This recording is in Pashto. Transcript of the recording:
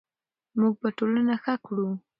موږ به ټولنه ښه کړو.